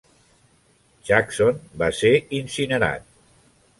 Jackson va ser incinerat.